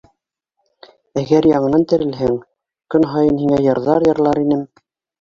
Әгәр яңынан терелһәң, көн һайын һиңә йырҙар йырлар инем.